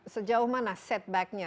sejauh mana setback nya